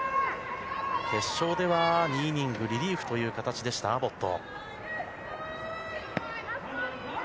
決勝では２イニングリリーフという形でした、アボット。